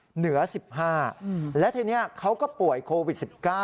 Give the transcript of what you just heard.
เหนือ๑๕และทีนี้เขาก็ป่วยโควิด๑๙